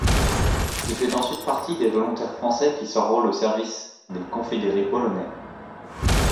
Il fait ensuite partie des volontaires français qui s'enrôlent au service des Confédérés Polonais.